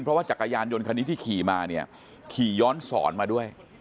เพราะว่าจักรยานยนต์คันนี้ที่ขี่มาเนี่ยขี่ย้อนสอนมาด้วย